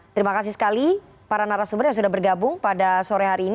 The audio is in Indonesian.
terima kasih sekali para narasumber yang sudah bergabung pada sore hari ini